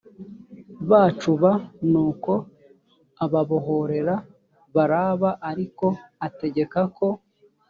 bacu b nuko ababohorera baraba ariko ategeka ko